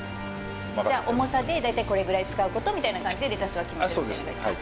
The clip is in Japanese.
重さで大体これぐらい使うことみたいな感じでレタスは決まってるそうです